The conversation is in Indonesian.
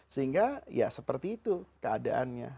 sehingga ya seperti itu keadaannya